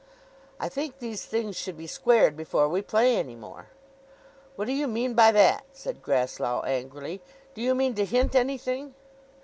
"I think these things should be squared before we play any more!" "What do you mean by that?" said Grasslough angrily. "Do you mean to hint anything?"